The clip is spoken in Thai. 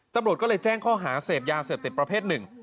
ตำรวจก็เลยแจ้งข้อหาเสพยาเสพติดประเภทหนึ่ง